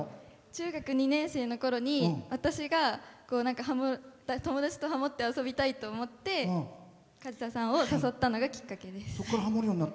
中学２年生のころに私が友達とハモって遊びたいと思って誘ったのがきっかけです。